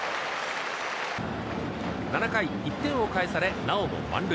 ７回１点を返され、なおも満塁。